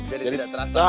jadi tidak terasa